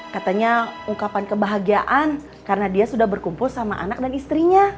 katanya ungkapan kebahagiaan karena dia sudah berkumpul sama anak dan istrinya